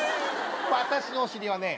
私のお尻はね